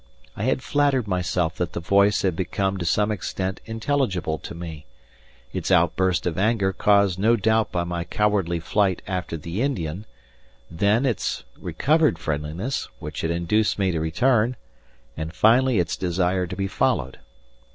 I had flattered myself that the voice had become to some extent intelligible to me: its outburst of anger caused no doubt by my cowardly flight after the Indian; then its recovered friendliness, which had induced me to return; and finally its desire to be followed.